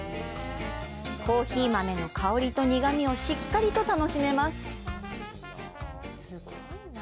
コーヒー豆の香りと苦みをしっかりと楽しめます。